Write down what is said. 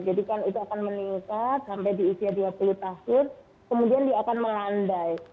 jadi kan itu akan meningkat sampai di usia dua puluh tahun kemudian dia akan melandai